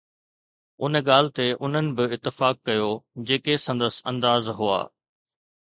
ان ڳالهه تي انهن به اتفاق ڪيو، جيڪي سندس انداز هئا